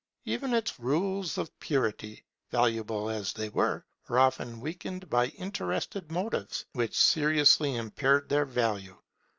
Even its rules of purity, valuable as they were, were often weakened by interested motives which seriously impaired their value.